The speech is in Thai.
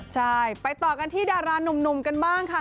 ใช่ไปต่อกันที่ดารานุ่มกันบ้างค่ะ